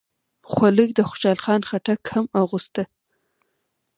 خولۍ د خوشحال خان خټک هم اغوسته.